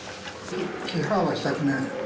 批判はしたくない。